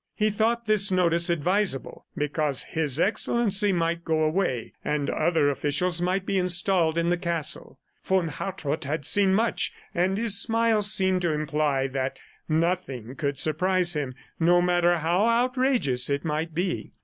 He thought this notice advisable because His Excellency might go away and other officials might be installed in the castle. Von Hartrott had seen much and his smile seemed to imply that nothing could surprise him, no matter how outrageous it might be.